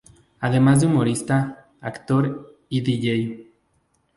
Además de humorista, actor y Dj.